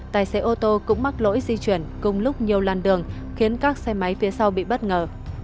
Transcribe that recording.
tài xế ô tô cũng mắc lỗi di chuyển cùng lúc nhiều làn đường khiến các xe máy phía sau bị bất ngờ